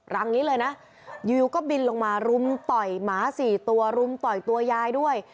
รังนี้เลยนะยูก็บินลงมารุมต่อยหมาสี่ตัวรุมต่อยตัวยายด้วย